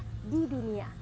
terindah di dunia